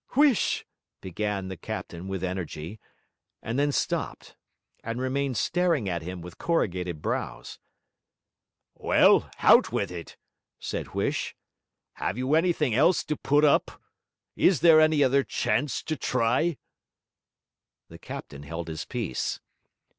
'Huish!' began the captain with energy; and then stopped, and remained staring at him with corrugated brows. 'Well, hout with it!' said Huish. ''Ave you anythink else to put up? Is there any other chanst to try?' The captain held his peace.